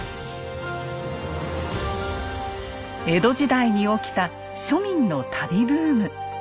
江戸時代に起きた庶民の旅ブーム。